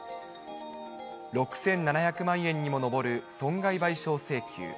６７００万円にも上る損害賠償請求。